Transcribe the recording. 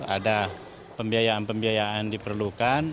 ada pembiayaan pembiayaan diperlukan